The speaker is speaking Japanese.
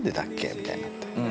みたいになって。